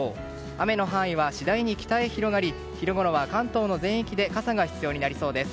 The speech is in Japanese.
雨の範囲は次第に北へ広がり昼ごろは関東の全域で傘が必要になりそうです。